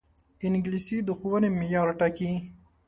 انګلیسي د ښوونې معیار ټاکي